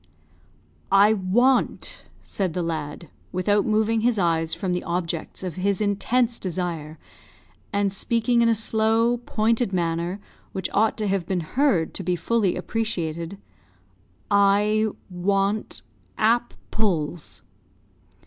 "I want," said the lad, without moving his eyes from the objects of his intense desire, and speaking in a slow, pointed manner, which ought to have been heard to be fully appreciated, "I want ap ples!"